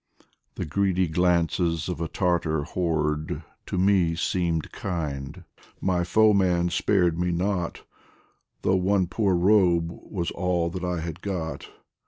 The greedy glances of a Tartar horde To me seemed kind my foeman spared me not Though one poor robe was all that I had got.